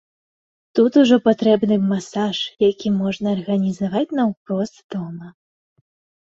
Тут ужо патрэбны б масаж, які можна арганізаваць наўпрост дома.